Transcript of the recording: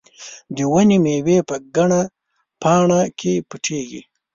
د ونې مېوې په ګڼه پاڼه کې پټې وې.